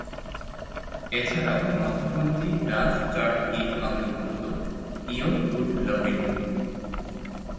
এছাড়াও মধ্যপন্থী dance chart hit অন্তর্ভুক্ত, "ইওয় গুড লভিন'।"